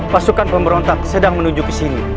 pasukan pemberontak sedang menuju ke sini